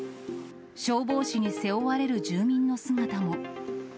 消防士に背負われる住民の姿も。